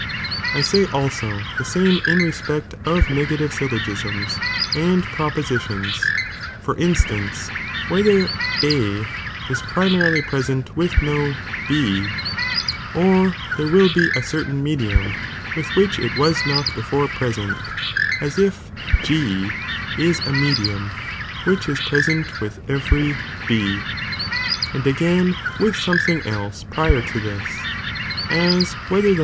1 and ii. I say also the same in respect of negative sylr 3. The same as Wisms and propositions, for instance, whether A to negatives. .^^^'^^^^^^ present with no B, or there wiU he a certain medium with which it was not before present, as if 6 (is a medium), which is present with every B ; and again, with something else prior to this, aa whether (the Bew«r"'bu?